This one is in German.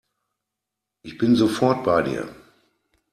Ich bin sofort bei dir.